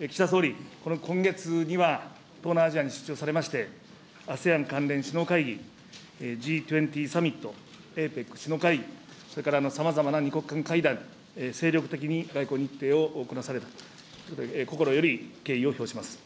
岸田総理、この今月には東南アジアに出張されまして、ＡＳＥＡＮ首脳会議、Ｇ２０サミット、ＡＰＥＣ首脳会議、それからさまざまな２国間会談、精力的に外交日程をこなされたということで、心より敬意を表します。